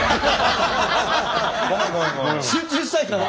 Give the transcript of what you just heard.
集中したいから。